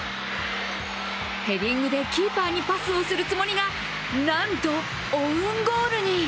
ヘディングでキーパーにパスをするつもりが、なんとオウンゴールに。